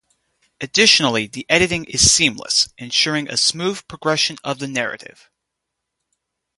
Additionally, the editing is seamless, ensuring a smooth progression of the narrative.